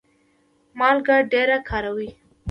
مالګه ډیره کاروئ؟